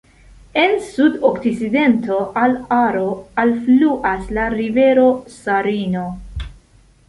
En sudokcidento al Aro alfluas la rivero Sarino.